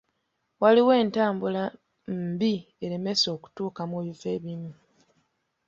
Waliwo entambula mbi eremesa okutuuka mu bifo ebimu.